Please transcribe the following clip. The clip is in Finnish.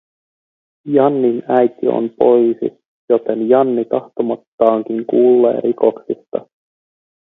Jannin äiti on poliisi, joten Janni tahtomattaankin kuulee rikoksista